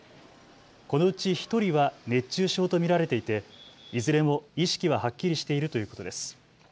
このうち１人は熱中症と見られていていずれも意識ははっきりしているということです。